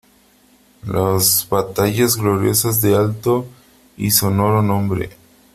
¡ las batallas gloriosas de alto y sonoro nombre !